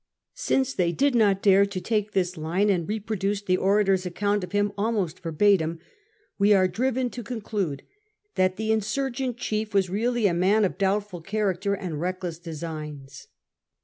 Since they did not dare to take this line, and reproduced the orator's account of him almost verbatim, we are driven to conclude that the insurgent chief was really a man of doubtful character and reckless designs.